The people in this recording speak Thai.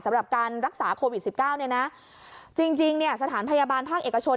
สำหรับการรักษาโควิด๑๙จริงสถานพยาบาลภาคเอกชน